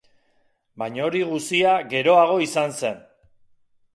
Baina hori guzia geroago izan zen.